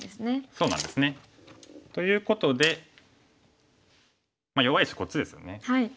そうなんですね。ということで弱い石こっちですよね。